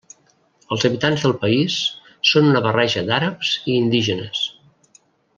Els habitants del país són una barreja d'àrabs i indígenes.